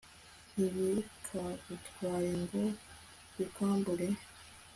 ntibikagutware ngo bikwambure